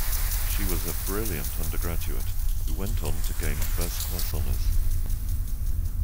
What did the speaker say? She was a brilliant undergraduate who went on to gain first class honours